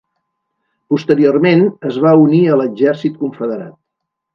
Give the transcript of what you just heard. Posteriorment, es va unir a l'exèrcit confederat.